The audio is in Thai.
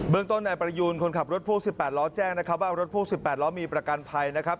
เมืองต้นนายประยูนคนขับรถพ่วง๑๘ล้อแจ้งนะครับว่ารถพ่วง๑๘ล้อมีประกันภัยนะครับ